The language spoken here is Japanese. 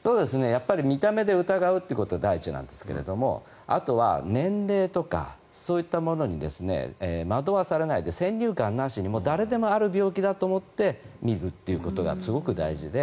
やっぱり見た目で疑うということが第一なんですがあとは年齢とかそういったものに惑わされないで先入観なしに誰でもある病気だと思って診るということがすごく大事で。